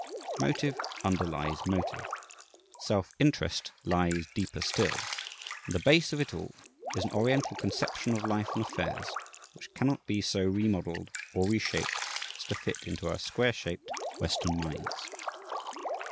Motive underlies motive; self interest lies deeper still; and the base of it all is an Oriental conception of life and affairs which cannot be so remodelled or reshaped as to fit into our square shaped Western minds.